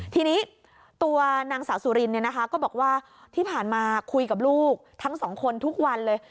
ทีนี้ตัวนางสาวสุรินเนี่ยนะคะก็บอกว่าที่ผ่านมาคุยกับลูกทั้งสองคนทุกวันเลย